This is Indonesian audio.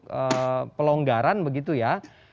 untuk pelonggaran begitu ya